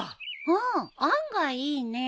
うん案外いいね。